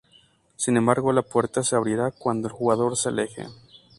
Sin embargo, la puerta se abrirá cuando el jugador se aleje.